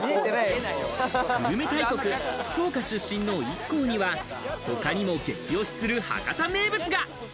グルメ大国・福岡出身のＩＫＫＯには他にも激推しする博多名物が。